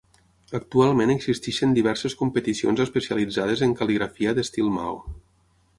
Actualment existeixen diverses competicions especialitzades en cal·ligrafia d'estil Mao.